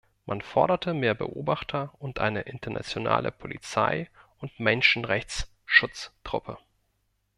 Man forderte mehr Beobachter und eine internationale Polizei- und Menschenrechtsschutztruppe.